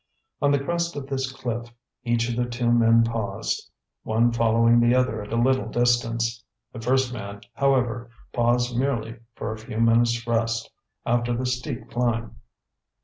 On the crest of this cliff, each of the two men paused, one following the other at a little distance. The first man, however, paused merely for a few minutes' rest after the steep climb.